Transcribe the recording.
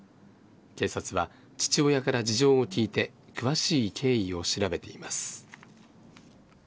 警察は父親から事情を聴いて詳しい経緯を調べています。